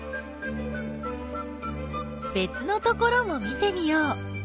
べつのところも見てみよう。